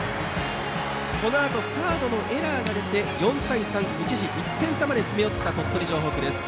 このあとサードのエラーが出て４対３と一時、１点差まで詰め寄った鳥取城北です。